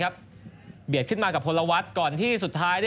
เบียดขึ้นมากับพลวัฒน์ก่อนที่สุดท้าย